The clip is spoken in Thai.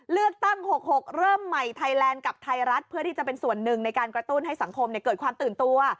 เลือกตั้ง๖๖เริ่มใหม่ไทยแลนด์กับไทยรัฐเพื่อที่จะเป็นส่วนหนึ่งในการกระตุ้นให้สังคมเกิดความตื่นตัว